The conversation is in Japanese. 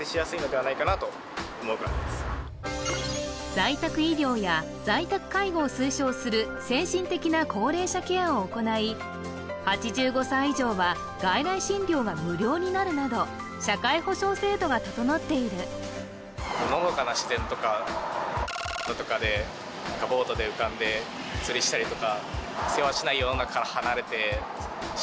在宅医療や在宅介護を推奨する先進的な高齢者ケアを行い８５歳以上は外来診療が無料になるなど社会保障制度が整っているボートで浮かんでっていうのがありますね